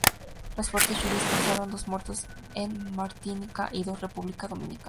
Las fuertes lluvias causaron dos muertos en Martinica y dos en la República Dominicana.